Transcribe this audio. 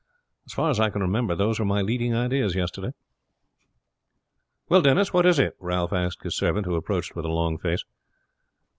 As far as I can remember those were my leading ideas yesterday." "Well, Denis, what is it?" Ralph asked his servant, who approached with a long face.